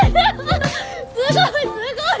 すごいすごい！